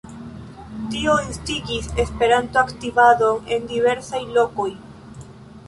Tio instigis Esperanto-aktivadon en diversaj lokoj.